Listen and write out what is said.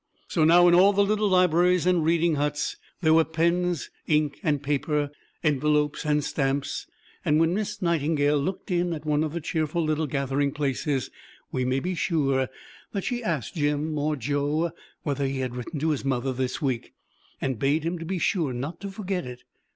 So now, in all the little libraries and reading huts, there were pens, ink and paper, envelopes and stamps; and when Miss Nightingale looked in at one of these cheerful little gathering places, we may be sure that she asked Jim or Joe whether he had written to his mother this week, and bade him be sure not to forget it.